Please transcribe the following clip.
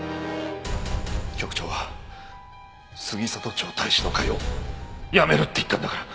局長は杉里町隊士の会を辞めるって言ったんだから。